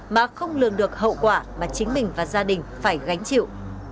mà không lường được hậu quả mà chính mình và gia đình phải gánh chịu